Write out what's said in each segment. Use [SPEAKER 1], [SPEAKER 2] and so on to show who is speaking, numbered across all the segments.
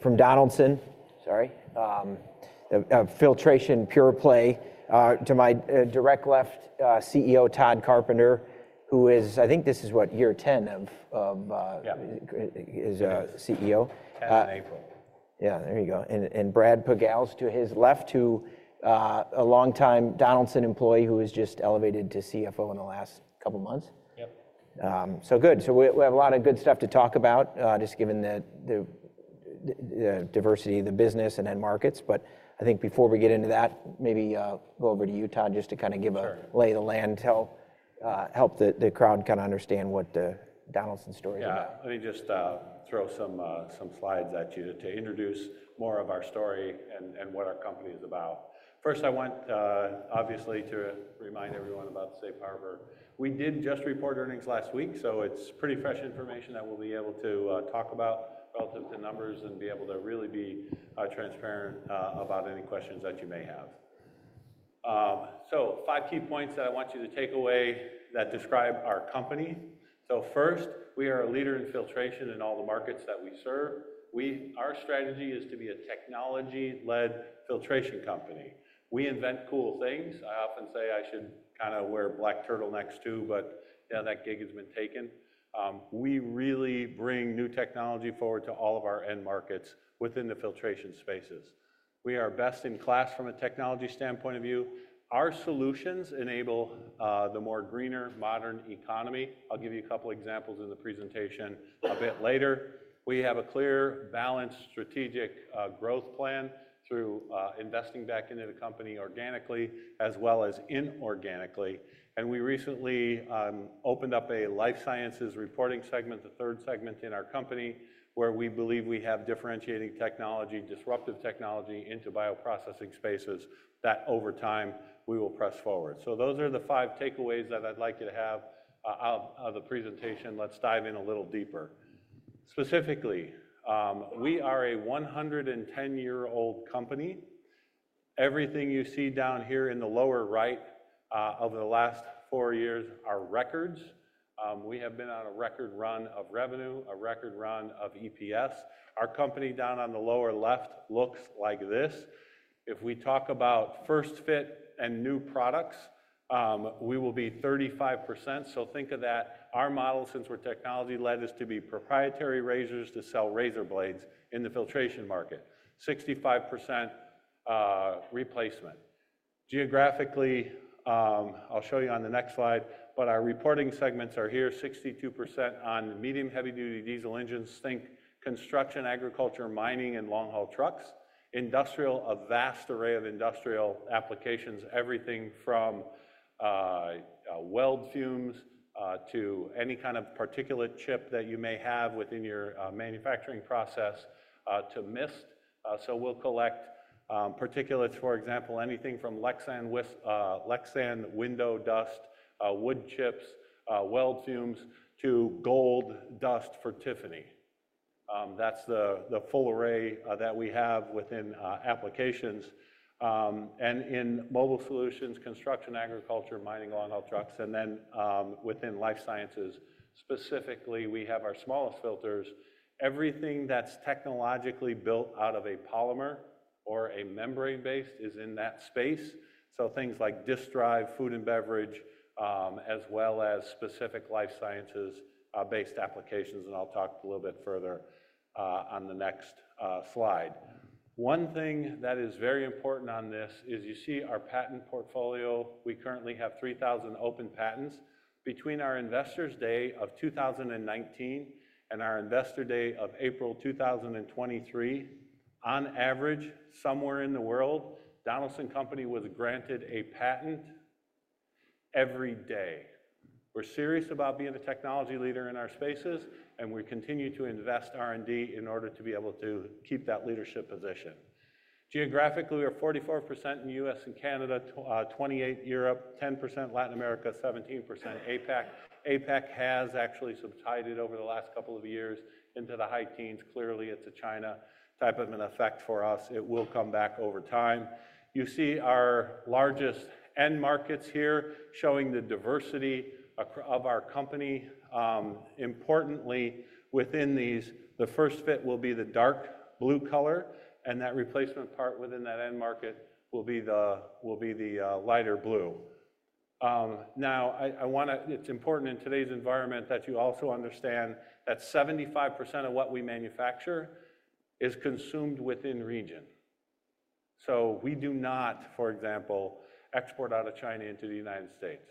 [SPEAKER 1] From Donaldson, sorry, filtration, pure play, to my direct left, CEO Tod Carpenter, who is, I think this is what, year 10 of his CEO.
[SPEAKER 2] 10th in April. Yeah, there you go, and Brad Pogalz to his left, who a longtime Donaldson employee who was just elevated to CFO in the last couple of months.
[SPEAKER 3] Yep. So good. We have a lot of good stuff to talk about, just given the diversity of the business and the markets. But I think before we get into that, maybe go over to you, Tod, just to kind of give a lay of the land, help the crowd kind of understand what Donaldson's story is about.
[SPEAKER 2] Yeah, let me just throw some slides at you to introduce more of our story and what our company is about. First, I want obviously to remind everyone about Safe Harbor. We did just report earnings last week, so it's pretty fresh information that we'll be able to talk about relative to numbers and be able to really be transparent about any questions that you may have. So five key points that I want you to take away that describe our company. So first, we are a leader in filtration in all the markets that we serve. Our strategy is to be a technology-led filtration company. We invent cool things. I often say I should kind of wear a black turtleneck, but yeah, that gig has been taken. We really bring new technology forward to all of our end markets within the filtration spaces. We are best in class from a technology standpoint of view. Our solutions enable the more greener, modern economy. I'll give you a couple of examples in the presentation a bit later. We have a clear, balanced, strategic growth plan through investing back into the company organically as well as inorganically. And we recently opened up a Life Sciences reporting segment, the third segment in our company, where we believe we have differentiating technology, disruptive technology into bioprocessing spaces that over time we will press forward. So those are the five takeaways that I'd like you to have out of the presentation. Let's dive in a little deeper. Specifically, we are a 110-year-old company. Everything you see down here in the lower right over the last four years are records. We have been on a record run of revenue, a record run of EPS. Our company down on the lower left looks like this. If we talk about first fit and new products, we will be 35%. So think of that. Our model, since we're technology-led, is to be proprietary razors to sell razor blades in the filtration market, 65% replacement. Geographically, I'll show you on the next slide, but our reporting segments are here, 62% on medium heavy-duty diesel engines, on-road, construction, agriculture, mining, and long-haul trucks. Industrial, a vast array of industrial applications, everything from weld fumes to any kind of particulate chip that you may have within your manufacturing process to mist. So we'll collect particulates, for example, anything from Lexan window dust, wood chips, weld fumes to gold dust for Tiffany. That's the full array that we have within applications. And in Mobile Solutions, construction, agriculture, mining, long-haul trucks, and then within Life Sciences, specifically, we have our smallest filters. Everything that's technologically built out of a polymer or a membrane-based is in that space. So things like disk drive, food and beverage, as well as specific life sciences-based applications, and I'll talk a little bit further on the next slide. One thing that is very important on this is you see our patent portfolio. We currently have 3,000 open patents. Between our investors' day of 2019 and our Investor Day of April 2023, on average, somewhere in the world, Donaldson Company was granted a patent every day. We're serious about being the technology leader in our spaces, and we continue to invest R&D in order to be able to keep that leadership position. Geographically, we are 44% in the U.S. and Canada, 28% Europe, 10% Latin America, 17% APAC. APAC has actually subsided over the last couple of years into the high teens. Clearly, it's a China type of an effect for us. It will come back over time. You see our largest end markets here showing the diversity of our company. Importantly, within these, the first fit will be the dark blue color, and that replacement part within that end market will be the lighter blue. Now, it's important in today's environment that you also understand that 75% of what we manufacture is consumed within region. So we do not, for example, export out of China into the United States.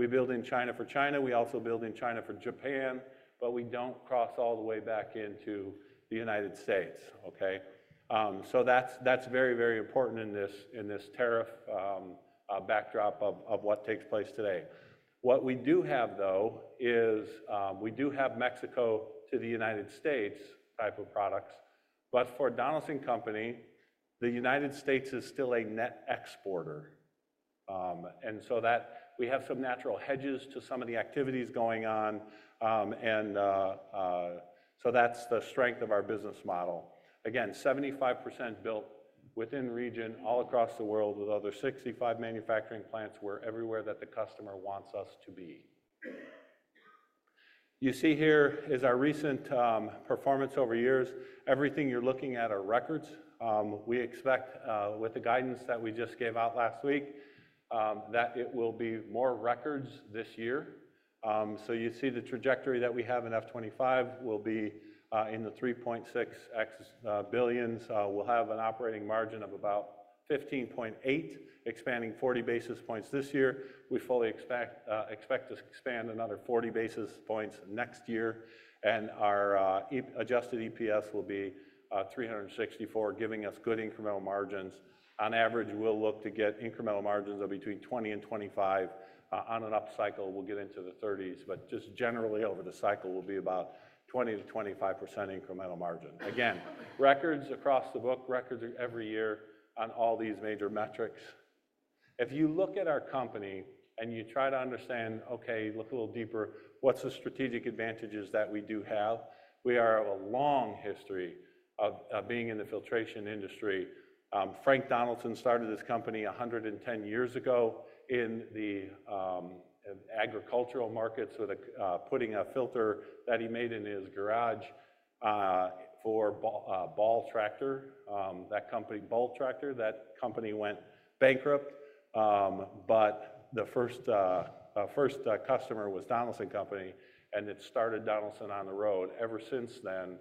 [SPEAKER 2] We build in China for China. We also build in China for Japan, but we don't cross all the way back into the United States, okay? So that's very, very important in this tariff backdrop of what takes place today. What we do have, though, is we do have Mexico to the United States type of products, but for Donaldson Company, the United States is still a net exporter, and so that we have some natural hedges to some of the activities going on, and so that's the strength of our business model. Again, 75% built within region all across the world with other 65 manufacturing plants where everywhere that the customer wants us to be. You see here is our recent performance over years. Everything you're looking at are records. We expect with the guidance that we just gave out last week that it will be more records this year, so you see the trajectory that we have in F25 will be in the $3.6 billion. We'll have an operating margin of about 15.8%, expanding 40 basis points this year. We fully expect to expand another 40 basis points next year, and our adjusted EPS will be $3.64, giving us good incremental margins. On average, we'll look to get incremental margins of between 20 and 25. On an up cycle, we'll get into the 30s. But just generally, over the cycle, we'll be about 20%-25% incremental margin. Again, records across the board, records every year on all these major metrics. If you look at our company and you try to understand, okay, look a little deeper, what's the strategic advantages that we do have? We have a long history of being in the filtration industry. Frank Donaldson started this company 110 years ago in the agricultural markets with putting a filter that he made in his garage for Bull Tractor, that company, Bull Tractor. That company went bankrupt, but the first customer was Donaldson Company, and it started Donaldson on the road. Ever since then,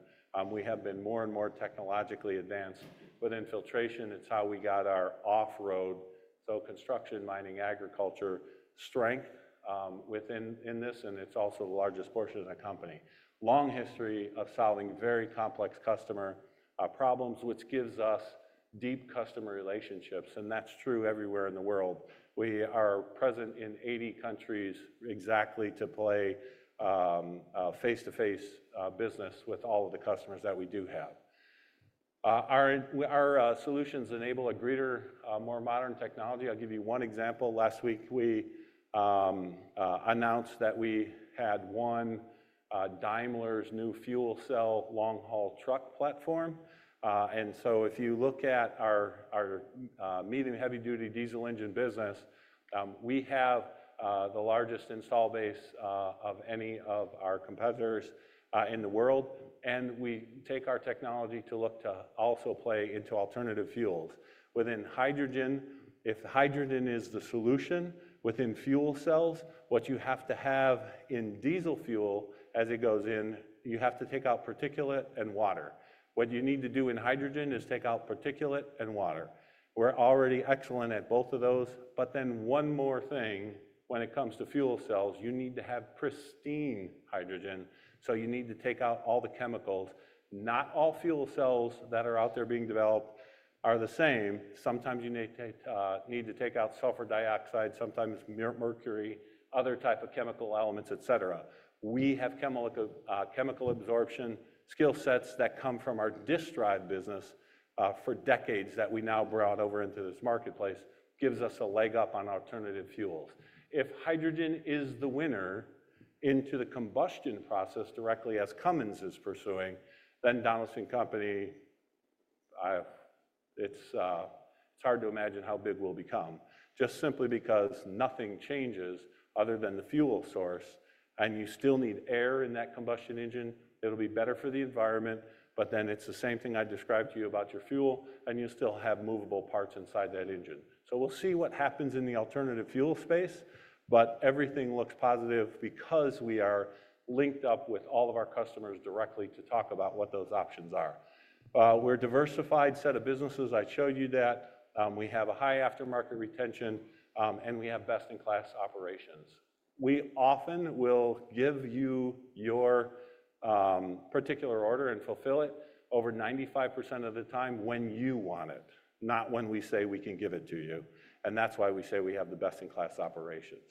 [SPEAKER 2] we have been more and more technologically advanced within filtration. It's how we got our off-road, so construction, mining, agriculture strength within this, and it's also the largest portion of the company. Long history of solving very complex customer problems, which gives us deep customer relationships, and that's true everywhere in the world. We are present in 80 countries exactly to play face-to-face business with all of the customers that we do have. Our solutions enable a greater, more modern technology. I'll give you one example. Last week, we announced that we had won Daimler's new fuel cell long-haul truck platform, and so if you look at our medium heavy-duty diesel engine business, we have the largest install base of any of our competitors in the world. We take our technology to look to also play into alternative fuels. Within hydrogen, if hydrogen is the solution within fuel cells, what you have to have in diesel fuel as it goes in, you have to take out particulate and water. What you need to do in hydrogen is take out particulate and water. We're already excellent at both of those. But then one more thing, when it comes to fuel cells, you need to have pristine hydrogen. So you need to take out all the chemicals. Not all fuel cells that are out there being developed are the same. Sometimes you need to take out sulfur dioxide, sometimes mercury, other types of chemical elements, et cetera. We have chemical absorption skill sets that come from our disk drive business for decades that we now brought over into this marketplace, gives us a leg up on alternative fuels. If hydrogen is the winner into the combustion process directly as Cummins is pursuing, then Donaldson Company, it's hard to imagine how big we'll become. Just simply because nothing changes other than the fuel source, and you still need air in that combustion engine, it'll be better for the environment. But then it's the same thing I described to you about your fuel, and you still have movable parts inside that engine. So we'll see what happens in the alternative fuel space, but everything looks positive because we are linked up with all of our customers directly to talk about what those options are. We're a diversified set of businesses. I showed you that. We have a high aftermarket retention, and we have best-in-class operations. We often will give you your particular order and fulfill it over 95% of the time when you want it, not when we say we can give it to you. That's why we say we have the best-in-class operations.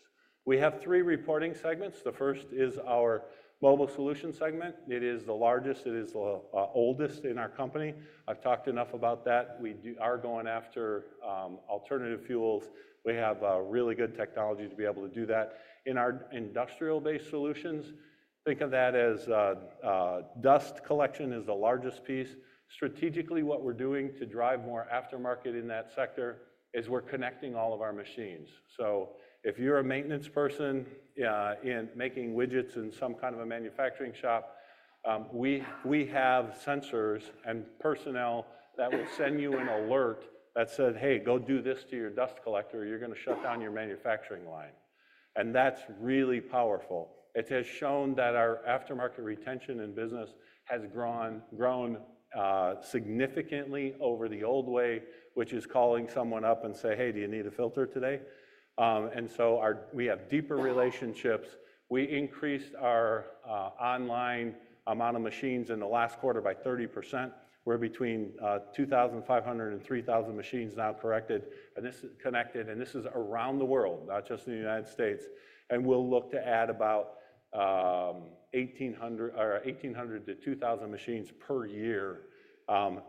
[SPEAKER 2] We have three reporting segments. The first is our Mobile Solutions segment. It is the largest. It is the oldest in our company. I've talked enough about that. We are going after alternative fuels. We have really good technology to be able to do that. In our Industrial Solutions, think of that as dust collection is the largest piece. Strategically, what we're doing to drive more aftermarket in that sector is we're connecting all of our machines. So if you're a maintenance person in making widgets in some kind of a manufacturing shop, we have sensors and personnel that will send you an alert that says, "Hey, go do this to your dust collector. You're going to shut down your manufacturing line." And that's really powerful. It has shown that our aftermarket retention in business has grown significantly over the old way, which is calling someone up and say, "Hey, do you need a filter today?" And so we have deeper relationships. We increased our online amount of machines in the last quarter by 30%. We're between 2,500 and 3,000 machines now connected, and this is around the world, not just in the United States. And we'll look to add about 1,800-2,000 machines per year,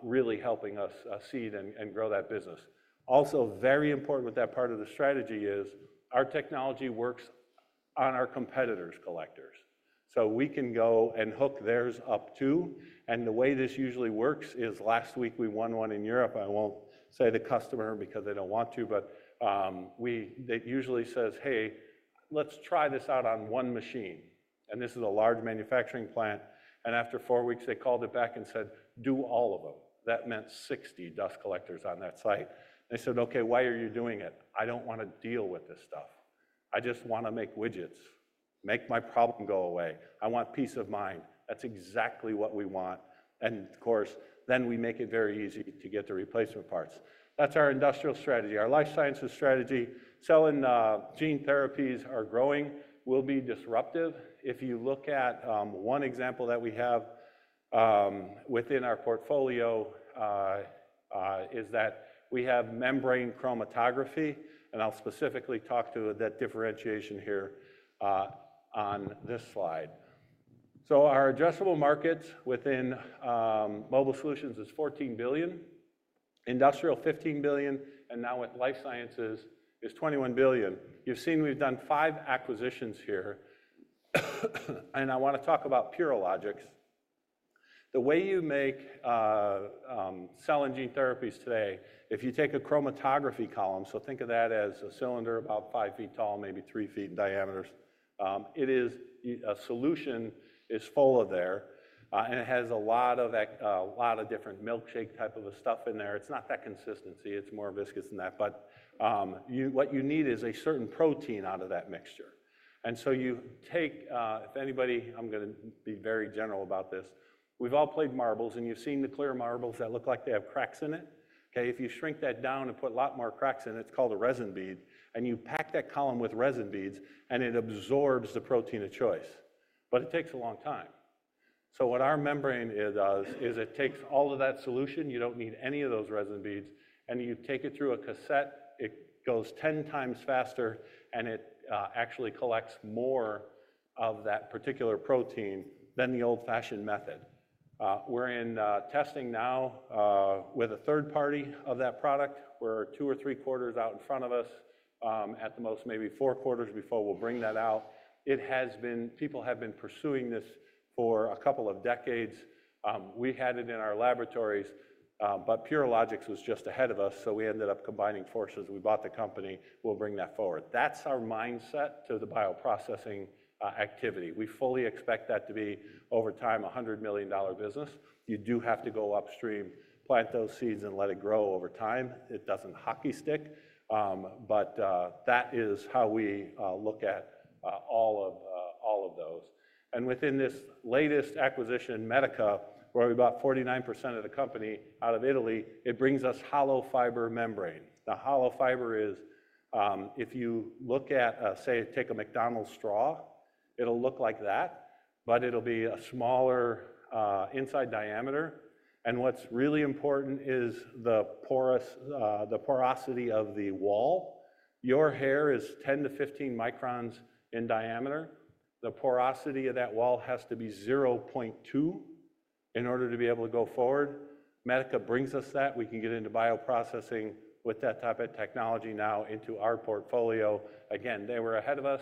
[SPEAKER 2] really helping us seed and grow that business. Also, very important with that part of the strategy is our technology works on our competitors' collectors. So we can go and hook theirs up too. And the way this usually works is last week we won one in Europe. I won't say the customer because they don't want to, but they usually says, "Hey, let's try this out on one machine." And this is a large manufacturing plant. And after four weeks, they called it back and said, "Do all of them." That meant 60 dust collectors on that site. They said, "Okay, why are you doing it? I don't want to deal with this stuff. I just want to make widgets, make my problem go away. I want peace of mind." That's exactly what we want. And of course, then we make it very easy to get the replacement parts. That's our industrial strategy. Our Life Sciences strategy, selling gene therapies are growing, will be disruptive. If you look at one example that we have within our portfolio is that we have membrane chromatography, and I'll specifically talk to that differentiation here on this slide. So our addressable markets within Mobile Solutions is $14 billion, Industrial $15 billion, and now with Life Sciences is $21 billion. You've seen we've done five acquisitions here, and I want to talk about Purilogics. The way you make cell and gene therapies today, if you take a chromatography column, so think of that as a cylinder about five feet tall, maybe three feet in diameter, a solution is full of there, and it has a lot of different milkshake type of stuff in there. It's not that consistency. It's more viscous than that. But what you need is a certain protein out of that mixture. And so, you take, if anybody, I'm going to be very general about this. We've all played marbles, and you've seen the clear marbles that look like they have cracks in it. Okay? If you shrink that down and put a lot more cracks in, it's called a resin bead. And you pack that column with resin beads, and it absorbs the protein of choice. But it takes a long time. So what our membrane does is it takes all of that solution. You don't need any of those resin beads. And you take it through a cassette. It goes 10 times faster, and it actually collects more of that particular protein than the old-fashioned method. We're in testing now with a third party of that product. We're two or three quarters out in front of us, at the most maybe four quarters before we'll bring that out. People have been pursuing this for a couple of decades. We had it in our laboratories, but Purilogics was just ahead of us, so we ended up combining forces. We bought the company. We'll bring that forward. That's our mindset to the bioprocessing activity. We fully expect that to be, over time, a $100 million business. You do have to go upstream, plant those seeds, and let it grow over time. It doesn't hockey stick. But that is how we look at all of those. And within this latest acquisition, Medica, where we bought 49% of the company out of Italy, it brings us hollow fiber membrane. Now, hollow fiber is, if you look at, say, take a McDonald's straw, it'll look like that, but it'll be a smaller inside diameter. And what's really important is the porosity of the wall. Your hair is 10 microns to 15 microns in diameter. The porosity of that wall has to be 0.2 in order to be able to go forward. Medica brings us that. We can get into bioprocessing with that type of technology now into our portfolio. Again, they were ahead of us.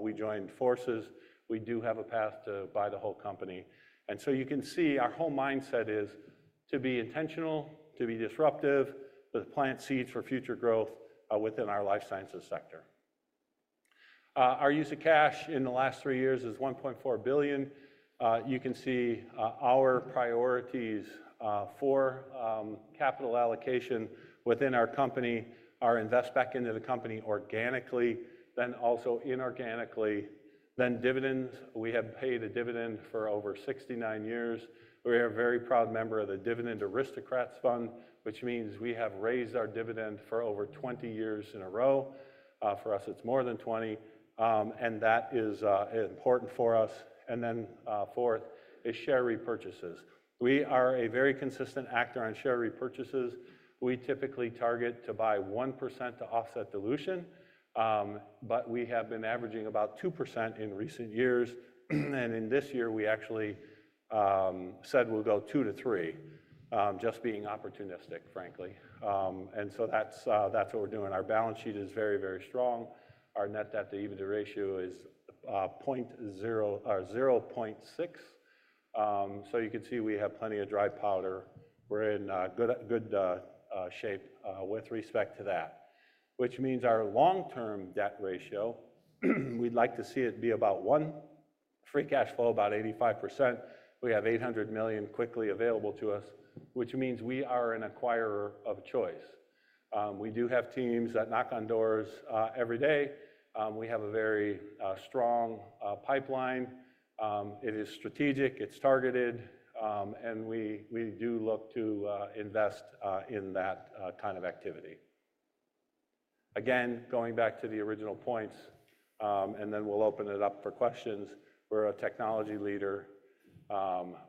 [SPEAKER 2] We joined forces. We do have a path to buy the whole company. And so you can see our whole mindset is to be intentional, to be disruptive, to plant seeds for future growth within our Life Sciences sector. Our use of cash in the last three years is $1.4 billion. You can see our priorities for capital allocation within our company are invest back into the company organically, then also inorganically. Then dividends. We have paid a dividend for over 69 years. We are a very proud member of the Dividend Aristocrats Fund, which means we have raised our dividend for over 20 years in a row. For us, it's more than 20, and that is important for us, and then fourth is share repurchases. We are a very consistent actor on share repurchases. We typically target to buy 1% to offset dilution, but we have been averaging about 2% in recent years, and in this year, we actually said we'll go 2%-3%, just being opportunistic, frankly, and so that's what we're doing. Our balance sheet is very, very strong. Our net debt to EBITDA ratio is 0.6, so you can see we have plenty of dry powder. We're in good shape with respect to that, which means our long-term debt ratio, we'd like to see it be about one, free cash flow about 85%. We have $800 million quickly available to us, which means we are an acquirer of choice. We do have teams that knock on doors every day. We have a very strong pipeline. It is strategic. It's targeted, and we do look to invest in that kind of activity. Again, going back to the original points, and then we'll open it up for questions. We're a technology leader.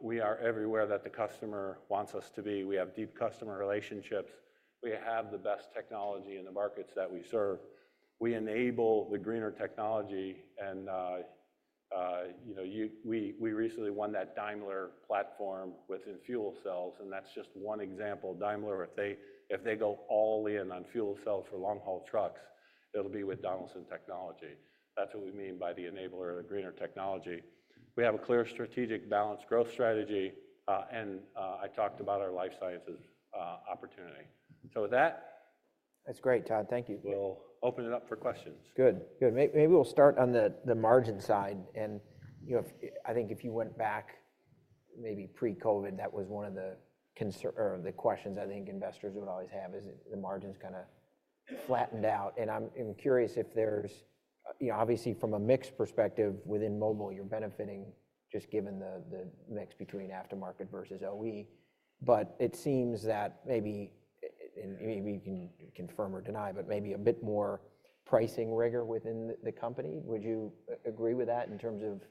[SPEAKER 2] We are everywhere that the customer wants us to be. We have deep customer relationships. We have the best technology in the markets that we serve. We enable the greener technology, and we recently won that Daimler platform within fuel cells. And that's just one example. Daimler, if they go all in on fuel cells for long-haul trucks, it'll be with Donaldson Technology. That's what we mean by the enabler of the greener technology. We have a clear strategic balance growth strategy, and I talked about our Life Sciences opportunity. So with that. That's great, Tod. Thank you. We'll open it up for questions. Good. Good. Maybe we'll start on the margin side. I think if you went back, maybe pre-COVID, that was one of the questions I think investors would always have: is the margin's kind of flattened out. I'm curious if there's, obviously, from a mix perspective within mobile, you're benefiting just given the mix between aftermarket versus OE. It seems that maybe, and maybe you can confirm or deny, but maybe a bit more pricing rigor within the company. Would you agree with that in terms of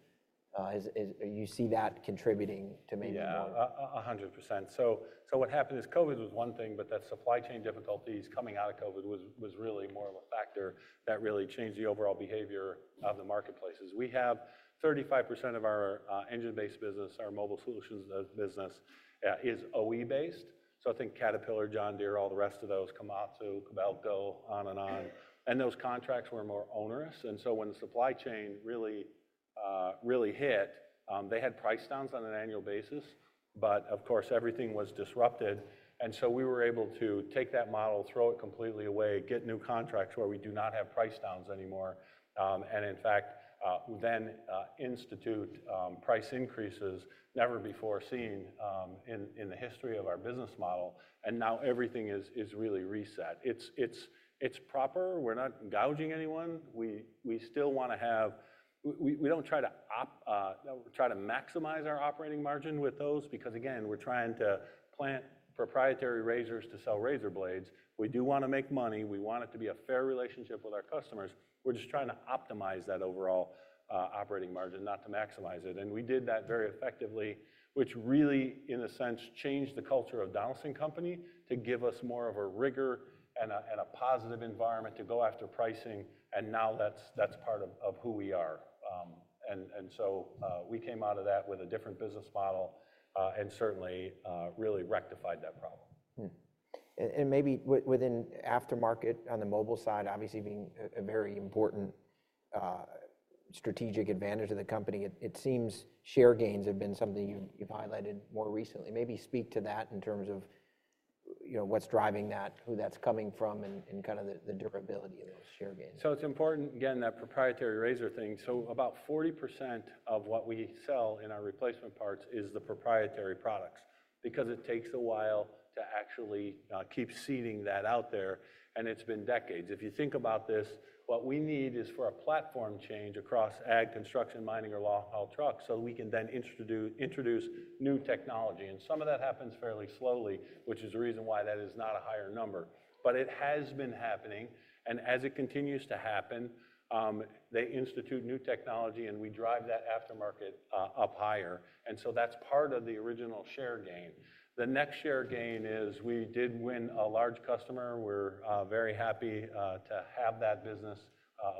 [SPEAKER 2] you see that contributing to maybe more? Yeah, 100%. What happened is COVID was one thing, but that supply chain difficulties coming out of COVID was really more of a factor that really changed the overall behavior of the marketplaces. We have 35% of our engine-based business. Our mobile solutions business is OE-based. So, I think Caterpillar, John Deere, all the rest of those, Komatsu, Kubota, on and on. And those contracts were more onerous. And so when the supply chain really hit, they had price downs on an annual basis. But of course, everything was disrupted. And so we were able to take that model, throw it completely away, get new contracts where we do not have price downs anymore. And in fact, then institute price increases never before seen in the history of our business model. And now everything is really reset. It's proper. We're not gouging anyone. We still want to have we don't try to maximize our operating margin with those because, again, we're trying to plant proprietary razors to sell razor blades. We do want to make money. We want it to be a fair relationship with our customers. We're just trying to optimize that overall operating margin, not to maximize it. And we did that very effectively, which really, in a sense, changed the culture of Donaldson Company to give us more of a rigor and a positive environment to go after pricing. And now that's part of who we are. And so we came out of that with a different business model and certainly really rectified that problem. And maybe within aftermarket on the mobile side, obviously being a very important strategic advantage of the company, it seems share gains have been something you've highlighted more recently. Maybe speak to that in terms of what's driving that, who that's coming from, and kind of the durability of those share gains. So it's important, again, that proprietary razor thing. So about 40% of what we sell in our replacement parts is the proprietary products because it takes a while to actually keep seeding that out there. And it's been decades. If you think about this, what we need is for a platform change across ag, construction, mining, or long-haul trucks so we can then introduce new technology. And some of that happens fairly slowly, which is the reason why that is not a higher number. But it has been happening. And as it continues to happen, they institute new technology, and we drive that aftermarket up higher. And so that's part of the original share gain. The next share gain is we did win a large customer. We're very happy to have that business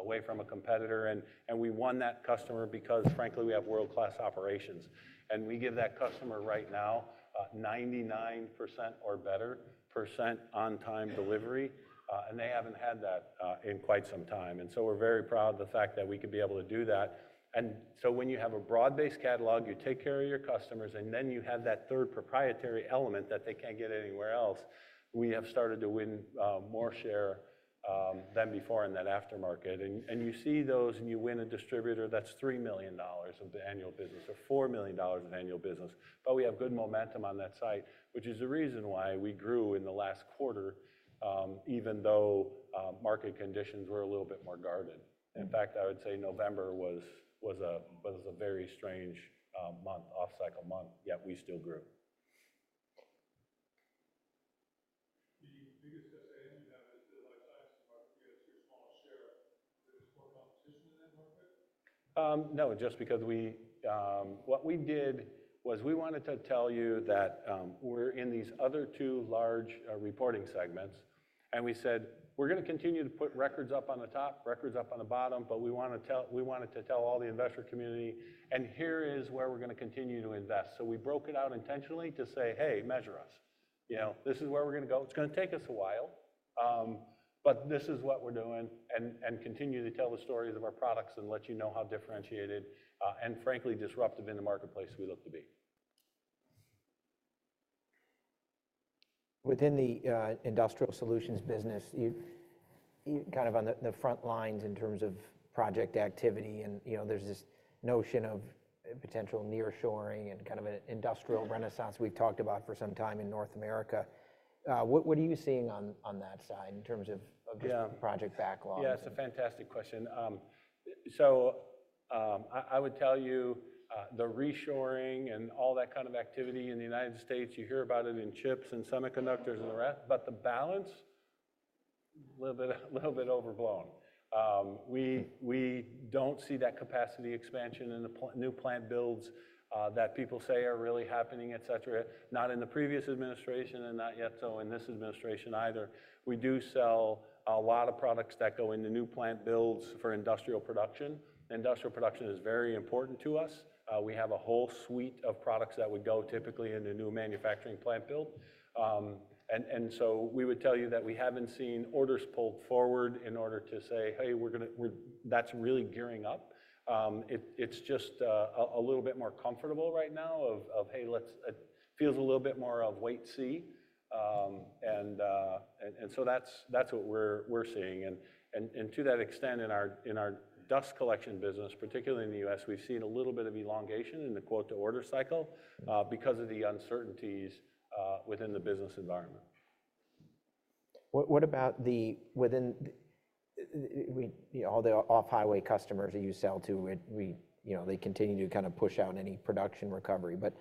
[SPEAKER 2] away from a competitor. And we won that customer because, frankly, we have world-class operations. And we give that customer right now 99% or better percent on-time delivery. And they haven't had that in quite some time. And so we're very proud of the fact that we could be able to do that. And so when you have a broad-based catalog, you take care of your customers, and then you have that third proprietary element that they can't get anywhere else. We have started to win more share than before in that aftermarket. And you see those, and you win a distributor that's $3 million of the annual business or $4 million of annual business. But we have good momentum on that site, which is the reason why we grew in the last quarter, even though market conditions were a little bit more guarded. In fact, I would say November was a very strange month, off-cycle month, yet we still grew. The biggest SAM you have is the Life Sciences market. You have your smallest share. Is there just more competition in that market? No, just because what we did was we wanted to tell you that we're in these other two large reporting segments, and we said, "We're going to continue to put records up on the top, records up on the bottom, but we wanted to tell all the investor community, and here is where we're going to continue to invest," so we broke it out intentionally to say, "Hey, measure us. This is where we're going to go. It's going to take us a while, but this is what we're doing," and continue to tell the stories of our products and let you know how differentiated and, frankly, disruptive in the marketplace we look to be. Within the Industrial Solutions business, kind of on the front lines in terms of project activity, and there's this notion of potential nearshoring and kind of an industrial renaissance we've talked about for some time in North America. What are you seeing on that side in terms of just the project backlog? Yeah, that's a fantastic question. So I would tell you the reshoring and all that kind of activity in the United States, you hear about it in chips and semiconductors and the rest, but the balance, a little bit overblown. We don't see that capacity expansion in the new plant builds that people say are really happening, etc., not in the previous administration and not yet so in this administration either. We do sell a lot of products that go into new plant builds for industrial production. Industrial production is very important to us. We have a whole suite of products that would go typically into new manufacturing plant build. And so we would tell you that we haven't seen orders pulled forward in order to say, "Hey, that's really gearing up." It's just a little bit more comfortable right now of, "Hey, let's feel a little bit more of wait and see." And so that's what we're seeing. And to that extent, in our dust collection business, particularly in the U.S., we've seen a little bit of elongation in the quote-to-order cycle because of the uncertainties within the business environment. What about within all the off-highway customers that you sell to, they continue to kind of push out any production recovery. But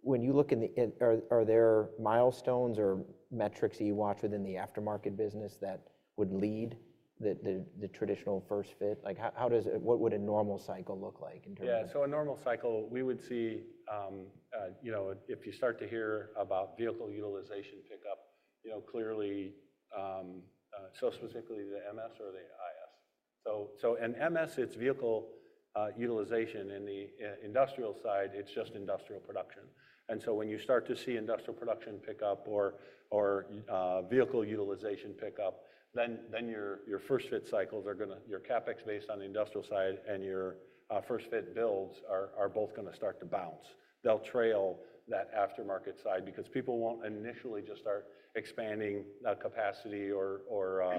[SPEAKER 2] when you look in the, are there milestones or metrics that you watch within the aftermarket business that would lead the traditional first fit? What would a normal cycle look like in terms of? Yeah, so a normal cycle, we would see if you start to hear about vehicle utilization pickup, clearly, so specifically the MS or the IS. So in MS, it's vehicle utilization. In the industrial side, it's just industrial production. And so when you start to see industrial production pickup or vehicle utilization pickup, then your first fit cycles are going to, your CapEx based on the industrial side and your first fit builds are both going to start to bounce. They'll trail that aftermarket side because people won't initially just start expanding capacity or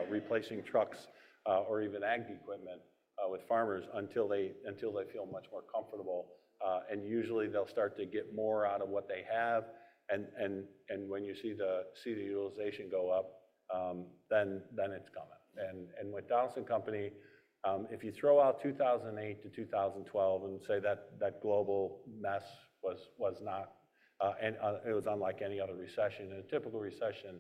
[SPEAKER 2] replacing trucks or even ag equipment with farmers until they feel much more comfortable. And usually, they'll start to get more out of what they have. And when you see the utilization go up, then it's coming. And with Donaldson Company, if you throw out 2008 to 2012 and say that global mess was not. It was unlike any other recession. A typical recession.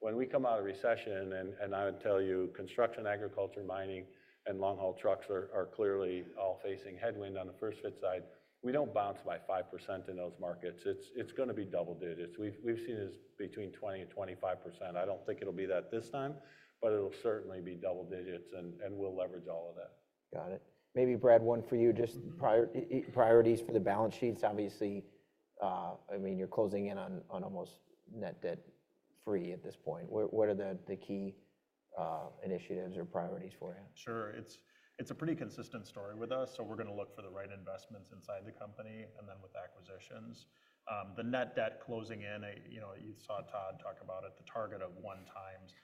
[SPEAKER 2] When we come out of recession, and I would tell you construction, agriculture, mining, and long-haul trucks are clearly all facing headwind on the first fit side, we don't bounce by 5% in those markets. It's going to be double digits. We've seen it as between 20% and 25%. I don't think it'll be that this time, but it'll certainly be double digits, and we'll leverage all of that. Got it. Maybe, Brad, one for you, just priorities for the balance sheets. Obviously, I mean, you're closing in on almost net debt free at this point. What are the key initiatives or priorities for you?
[SPEAKER 3] Sure. It's a pretty consistent story with us. We're going to look for the right investments inside the company and then with acquisitions. The net debt closing in, you saw Tod talk about it, the target of one times.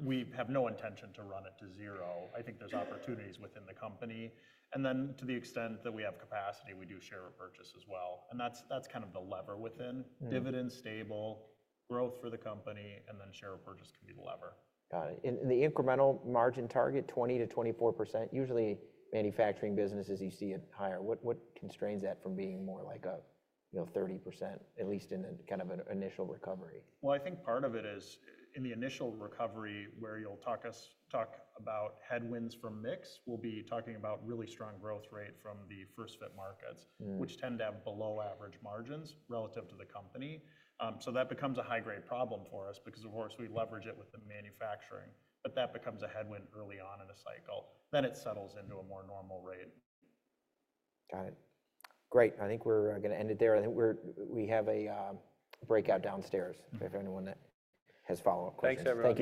[SPEAKER 3] We have no intention to run it to zero. I think there's opportunities within the company. Then to the extent that we have capacity, we do share purchase as well. That's kind of the lever within dividend stable, growth for the company, and then share purchase can be the lever. Got it. The incremental margin target, 20%-24%, usually manufacturing businesses, you see it higher. What constrains that from being more like a 30%, at least in kind of an initial recovery? I think part of it is in the initial recovery where you'll talk about headwinds from mix. We'll be talking about really strong growth rate from the first fit markets, which tend to have below average margins relative to the company. So that becomes a high-grade problem for us because, of course, we leverage it with the manufacturing. But that becomes a headwind early on in a cycle. Then it settles into a more normal rate. Got it. Great. I think we're going to end it there. I think we have a breakout downstairs if anyone has follow-up questions.
[SPEAKER 2] Thanks, everyone.